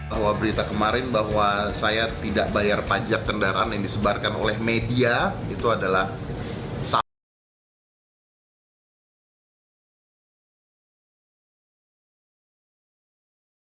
bahwa berita kemarin bahwa saya tidak bayar pajak kendaraan yang disebarkan oleh media itu adalah satu